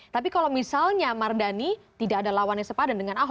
tapi kalau misalnya mardani tidak ada lawannya sepadan dengan ahok